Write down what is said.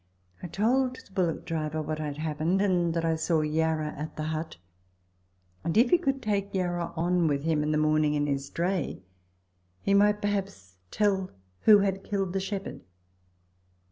I told the bullftck driver what had happened, and that I saw Yarra at the hut, and if he could take Yarra on with him in the morning in his dray, he might perhaps tell who had killed the shepherd.